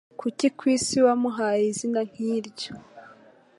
Kuki kwisi wamuhaye izina nkiryo?